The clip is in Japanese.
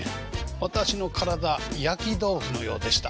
私の体焼き豆腐のようでした。